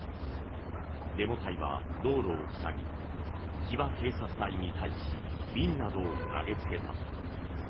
デモ隊は道路を塞ぎ騎馬警察隊に対し瓶などを投げつけた。